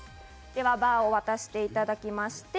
では、バーを渡していただきまして。